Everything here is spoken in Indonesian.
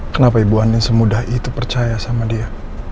kenapa ibu ani semudah itu percaya sama dia